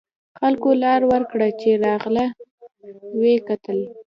خلکو لار ورکړه چې راغله و یې کتل.